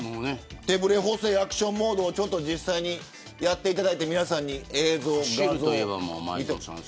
手ぶれ補正アクションモードを実際にやっていただいて皆さんに映像、画像を見てほしい。